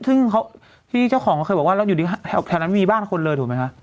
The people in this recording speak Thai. ซึ่งที่เจ้าของเขาเคยบอกว่าเราอยู่ดีแถวนั้นมีบ้านคนเลยถูกไหมคะ